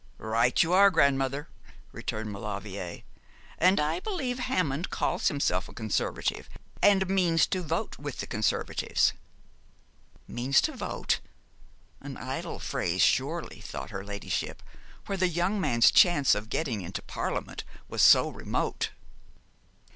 'Right you are, grandmother,' returned Maulevrier, 'and I believe Hammond calls himself a Conservative, and means to vote with the Conservatives.' Means to vote! An idle phrase, surely, thought her ladyship, where the young man's chance of getting into Parliament was so remote.